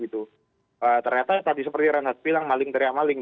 ternyata tadi seperti renhat bilang maling teriak maling